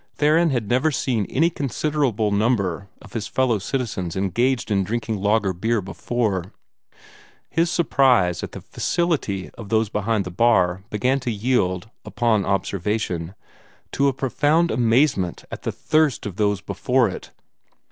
Theron had never seen any considerable number of his fellow citizens engaged in drinking lager beer before. His surprise at the facility of those behind the bar began to yield, upon observation, to a profound amazement at the thirst of those before it.